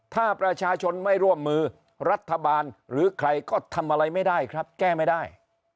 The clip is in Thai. ถ้าประชาชนไม่ร่วมมือรัฐบาลหรือใครก็ทำอะไรไม่ได้ครับแก้ไม่ได้